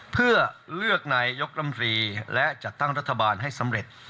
เพื่อเลือกนายยกรมรีและจัดตั้งรัฐบาลให้สำเร็จ